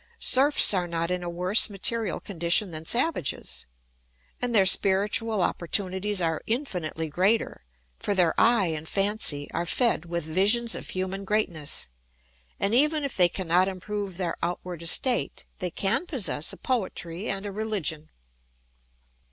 Serfs are not in a worse material condition than savages, and their spiritual opportunities are infinitely greater; for their eye and fancy are fed with visions of human greatness, and even if they cannot improve their outward estate they can possess a poetry and a religion.